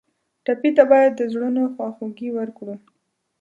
ټپي ته باید د زړونو خواخوږي ورکړو.